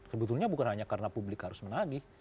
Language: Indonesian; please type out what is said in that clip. sebetulnya bukan hanya karena publik harus menagih